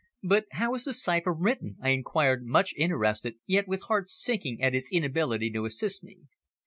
"But how is the cipher written?" I inquired much interested, yet with heart sinking at his inability to assist me.